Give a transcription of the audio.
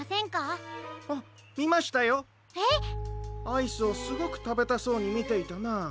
アイスをすごくたべたそうにみていたなあ。